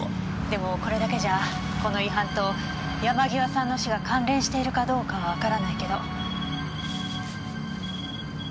でもこれだけじゃこの違反と山際さんの死が関連しているかどうかはわからないけど。